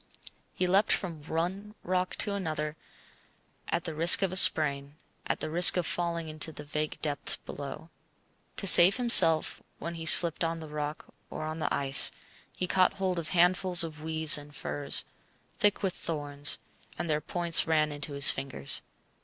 He leapt from one rock to another at the risk of a sprain, at the risk of falling into the vague depths below. To save himself when he slipped on the rock or on the ice, he caught hold of handfuls of weeds and furze, thick with thorns, and their points ran into his fingers.